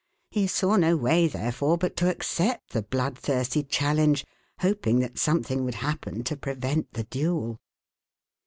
He saw no way, therefore, but to accept the bloodthirsty challenge, hoping that something would happen to prevent the duel.